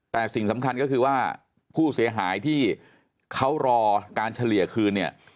แต่สิ่งสำคัญก็คือว่าผู้เสียหายที่เขารอการเฉลี่ยคืนเนี่ย